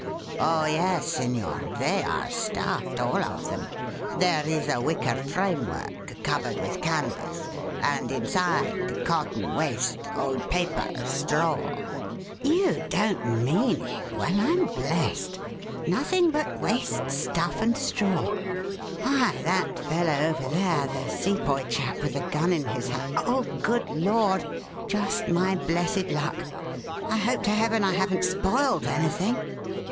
"Oh, yes, signor, they are stuffed, all of them. There is a wicker framework covered with canvas; and inside cotton waste, old paper, straw." "You don't mean it! Well, I'm blest! Nothing but waste stuff and straw? Why, that fellow over there the Sepoy chap with the gun in his hands Oh, good Lord! just my blessed luck! I hope to heaven I haven't spoilt anything!"